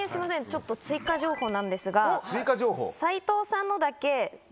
ちょっと追加情報なんですが。